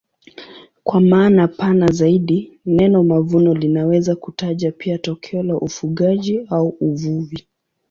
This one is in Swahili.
Kwa maana pana zaidi neno mavuno linaweza kutaja pia tokeo la ufugaji au uvuvi.